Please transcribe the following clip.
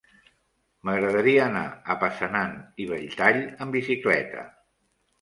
M'agradaria anar a Passanant i Belltall amb bicicleta.